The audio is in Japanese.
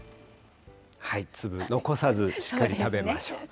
粒、残さず、しっかり食べましょう。